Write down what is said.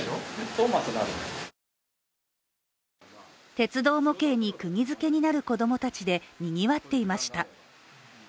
鉄道模型にくぎづけになる子供たちでにぎわっていました。